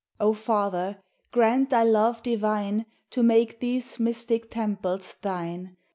O Father! grant thy love divine To make these mystic temples thine!